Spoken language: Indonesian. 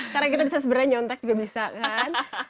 karena kita bisa sebenarnya nyontek juga bisa kan